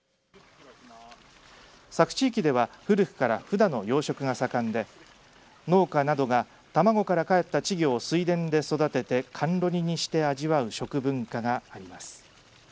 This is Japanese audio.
佐久地域では古くから、ふなの養殖が盛んで農家などが、卵からかえった稚魚を水田で育てて甘露煮にして味わう食文化があります。